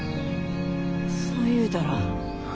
そう言うたら。